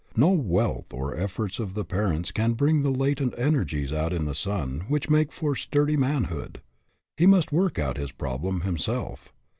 No wealth or efforts of the parents can bring the latent energies out in the son which make for sturdy manhood. He must work out his problem him self.